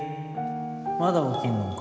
まだ起きんのんか？